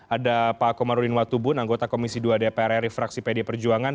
ada pak komarudin watubun anggota komisi dua dpr ri fraksi pd perjuangan